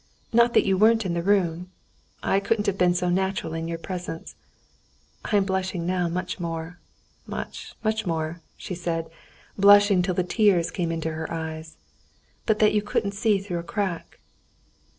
"Not that you weren't in the room ... I couldn't have been so natural in your presence ... I am blushing now much more, much, much more," she said, blushing till the tears came into her eyes. "But that you couldn't see through a crack."